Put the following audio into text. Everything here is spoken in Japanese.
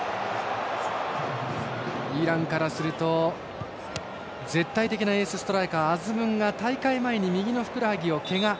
イランからすると絶対的なエースストライカーアズムンが大会前に右のふくらはぎをけが。